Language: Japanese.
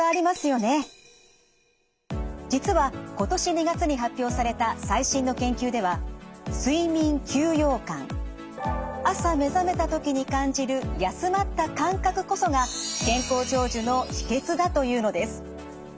実は今年２月に発表された最新の研究では睡眠休養感朝目覚めたときに感じる休まった感覚こそが健康長寿の秘けつだというのです。